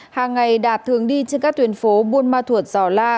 hàng ngày đạt thường đi trên các tuyển phố bua ma thủa giò la